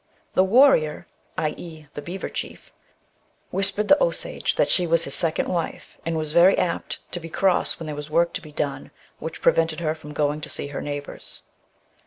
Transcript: The warrior, i, e. the beaver chief, whispered the Osage that she was his second wife, and was very apt to be cross when there was work to be done, which prevented her from going to see her neighbours.